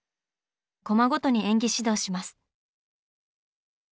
コマごとに演技指導します。